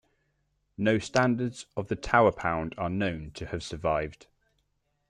No standards of the Tower pound are known to have survived.